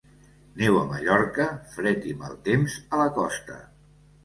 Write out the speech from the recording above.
Neu a Mallorca, fred i mal temps a la costa.